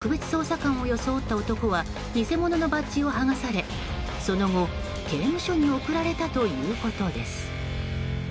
夫婦は逮捕され特別捜査官を装った男は偽物のバッジを剥がされその後、刑務所に送られたということです。